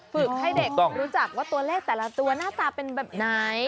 ฝึกให้เด็กรู้จักว่าตัวเลขแต่ละตัวหน้าตาเป็นแบบไหน